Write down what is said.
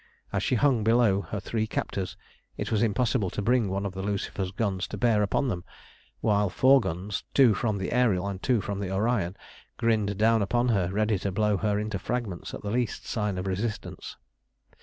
As she hung below her three captors it was impossible to bring one of the Lucifer's guns to bear upon them, while four guns, two from the Ariel and two from the Orion, grinned down upon her ready to blow her into fragments at the least sign of resistance.